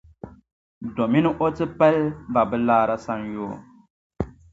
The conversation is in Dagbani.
Domin O ti pali ba bɛ laara sanyoo.